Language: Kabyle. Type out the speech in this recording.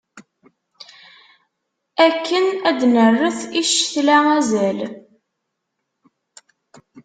Akken ad d-nerret i ccetla azal.